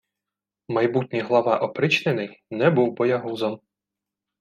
Майбутній глава опричнини не був боягузом